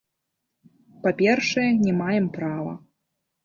Па-першае, не маем права.